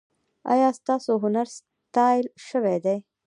ایا ستاسو هنر ستایل شوی دی؟